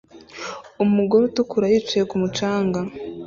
Umugore utukura yicaye ku mucanga